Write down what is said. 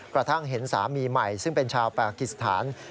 กระทั่งเห็นสามีใหม่ซึ่งเป็นชาวปากิสถาน